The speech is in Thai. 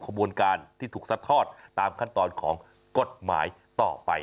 ขบวนการที่ถูกซัดทอดตามขั้นตอนของกฎหมายต่อไป